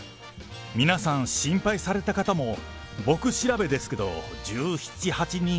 皆さん、心配された方も、僕調べですけど１７、８人。